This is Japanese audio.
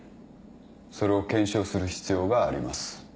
それを検証する必要があります。